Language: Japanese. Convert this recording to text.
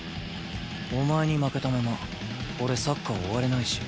お前に負けたまま俺サッカー終われないし。